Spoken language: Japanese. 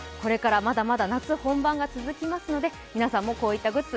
これから夏本番が続きますので、皆さんもこういったグッズ